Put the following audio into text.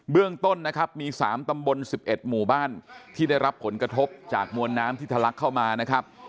เรื่องต้นนะครับมี๓ตำบล๑๑หมู่บ้านที่ได้รับผลกระทบจากมวลน้ำที่ทะลักเข้ามานะครับ